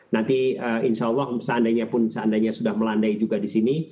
nanti insya allah seandainya pun seandainya sudah melandai juga di sini